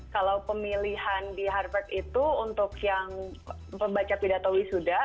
kalau pemilihan di harvard itu untuk yang pembaca pidato wisuda